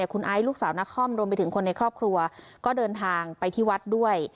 คุณไอซ์ลูกสาวนครรวมไปถึงคนในครอบครัวก็เดินทางไปที่วัดด้วย